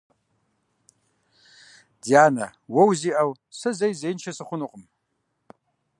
Дянэ, уэ узиӀэу сэ зэи зеиншэ сыхъунукъым.